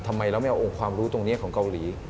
ทำไมเราไม่เอาองค์ความรู้ตรงนี้ของเกาหลี